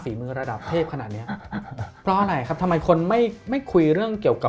มือระดับเทพขนาดเนี้ยเพราะอะไรครับทำไมคนไม่ไม่คุยเรื่องเกี่ยวกับ